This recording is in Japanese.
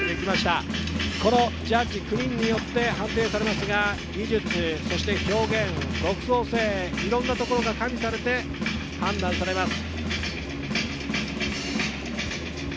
このジャッジ９人によって判定されますが、技術そして表現、独創性、いろんなところが加味されて判断されます。